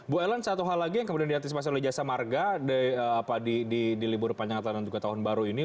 bu ellen satu hal lagi yang kemudian diantisipasi oleh jasa marga di libur panjang natal dan juga tahun baru ini